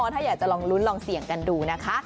ถ้าอยากจะลองลุ้นลองเสี่ยงกันดูนะคะ